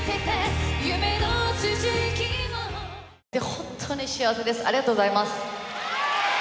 本当に幸せですありがとうございます。